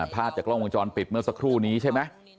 ภาพจากกล้องวงจรปิดเมื่อสักครู่นี้ใช่ไหม